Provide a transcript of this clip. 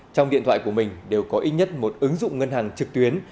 trong điện thoại của mình đều có ít nhất một ứng dụng ngân hàng trực tuyến